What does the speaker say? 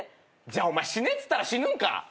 じゃあお前死ねっつったら死ぬんか？